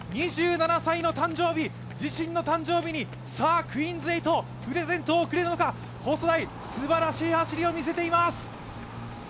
２７歳の誕生日、自身の誕生日にクイーンズ８、プレゼントを贈るのか、細田あい、すばらしい走りを見せています。